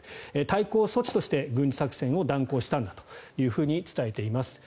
対抗措置として軍事作戦を断行したんだと伝えています。